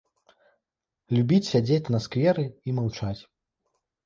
Любіць сядзець на скверы і маўчаць.